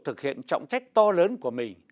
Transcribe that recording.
thực hiện trọng trách to lớn của mình